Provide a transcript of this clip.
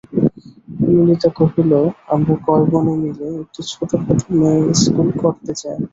ললিতা কহিল, আমরা কয় বোনে মিলে একটি ছোটোখাটো মেয়ে-ইস্কুল করতে চাই।